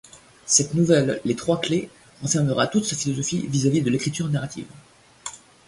Cette nouvelle, “Les trois clefs”, renfermera toute sa philosophie vis-à-vis de l'écriture narrative.